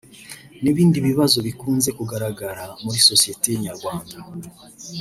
n’ibindi bibazo bikunze kugaragara muri sosiyete nyarwanda